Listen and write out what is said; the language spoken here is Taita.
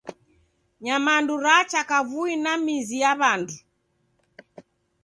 Nyamandu racha kavui na mizi ya w'andu.